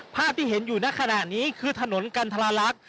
ภาพที่เห็นอยู่ในขณะนี้คือถนนกันทราลักษณ์